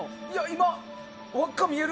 今、輪っか見える。